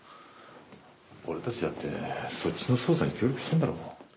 俺たちだってそっちの捜査に協力してんだろう。